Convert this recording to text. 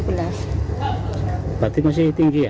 berarti masih tinggi ya